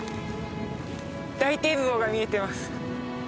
大展望が見えています。